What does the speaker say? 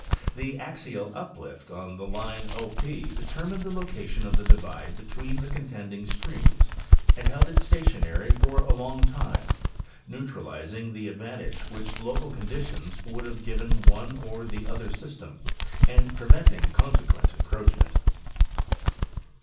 The axial uplift 116 Hayes and Campbell—Appalachian Geomorphology. on the line O P determined the location of the divide between the contending streams and held it stationary for a long time, neutralizing the advantage which local conditions would have given one or the other system and preventing consequent en croachment.